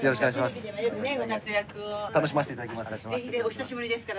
お久しぶりですから。